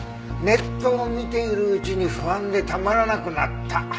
ネットを見ているうちに不安でたまらなくなった。